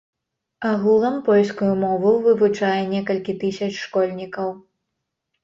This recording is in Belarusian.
Агулам польскую мову вывучае некалькі тысяч школьнікаў.